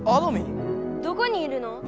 どこにいるの？